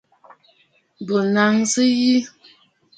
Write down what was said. Bo ŋì’ìsǝ̀ yi.